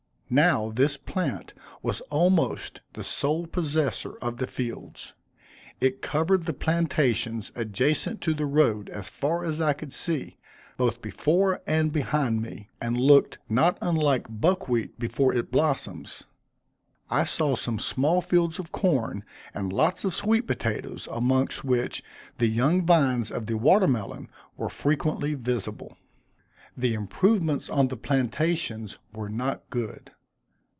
Now this plant was almost the sole possessor of the fields. It covered the plantations adjacent to the road, as far as I could see, both before and behind me, and looked not unlike buckwheat before it blossoms. I saw some small fields of corn, and lots of sweet potatoes, amongst which the young vines of the water melon were frequently visible. The improvements on the plantations were not good.